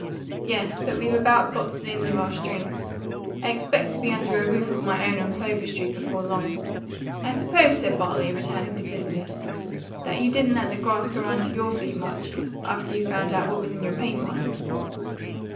"Yes; but we've about got to the end of our string. I expect to be under a roof of my own on Clover Street before long. I suppose," said Bartley, returning to business, "that you didn't let the grass grow under your feet much after you found out what was in your paint mine?"